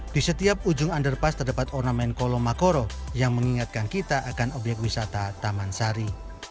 di setiap ujung underpass terdapat ornamen kolom makoro yang mengingatkan kita akan obyek wisata taman sari